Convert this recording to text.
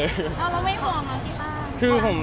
แล้วไม่ห่วงหรอคิดบ้าง